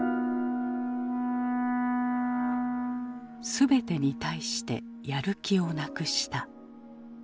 全てに対してやる気をなくした。